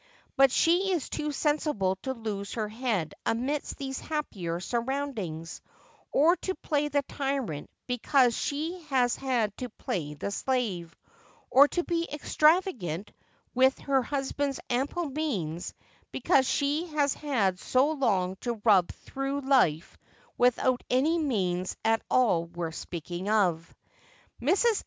But. she is too sensible to lose her head amidst these happier surroundings ; or to play the tyrant because she has had to play the slave ; or to be extravagant with her husband's ample means because she has had so long to rub through life without any means at all worth speaking of. Mrs.